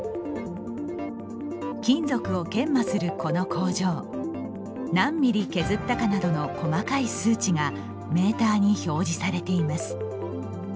金属を研磨するこの工場何ミリ削ったかなどの細かい数値がメーターに表示されています。